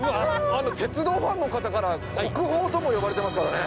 鉄道ファンの方から国宝とも呼ばれてますからね。